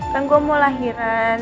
kan gue mau lahiran